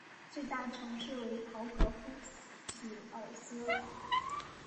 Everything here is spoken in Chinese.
最大城市为陶格夫匹尔斯。